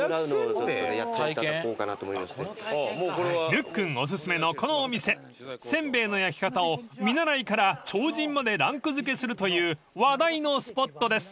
［ぬっくんお薦めのこのお店せんべいの焼き方を見習いから超人までランク付けするという話題のスポットです］